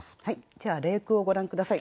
じゃあ例句をご覧下さい。